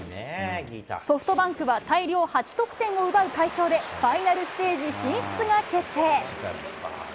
ソフトバンクは大量８得点を奪う快勝でファイナルステージ進出が決定。